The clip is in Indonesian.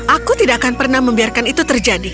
aku tidak akan pernah membiarkan itu terjadi